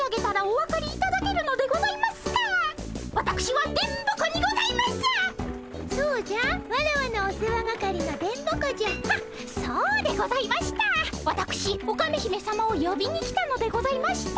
わたくしオカメ姫さまをよびに来たのでございました。